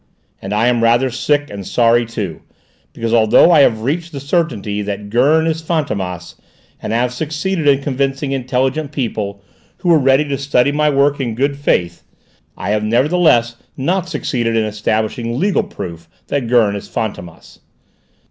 "And I am rather sick and sorry, too: because, although I have reached this certainty that Gurn is Fantômas, and have succeeded in convincing intelligent people, who were ready to study my work in good faith, I have nevertheless not succeeded in establishing legal proof that Gurn is Fantômas.